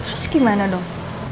terus gimana dong